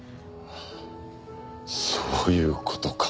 あそういう事か。